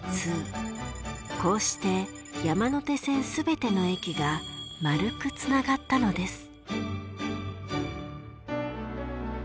こうして山手線全ての駅が円くつながったのです。